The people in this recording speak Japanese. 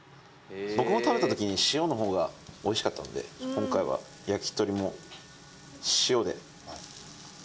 僕も食べた時に塩のほうがおいしかったので今回は焼き鳥も塩で。